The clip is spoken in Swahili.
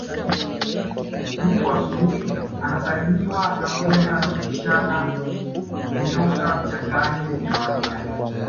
Huku asubuhi anasalimiwa na mbweha na kupishana nyoka vichakani ni kawaida